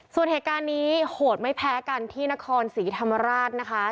ส่วนเหตุการณ์นี้โหดไม่แพ้กันที่นครศรีธรรมราชนะคะ